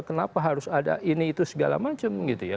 kenapa harus ada ini itu segala macam gitu ya